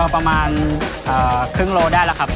ประมาณครึ่งโลได้แล้วครับ